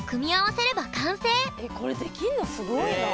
えっこれできんのすごいな。